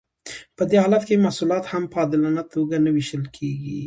په دې حالت کې محصولات هم په عادلانه توګه نه ویشل کیږي.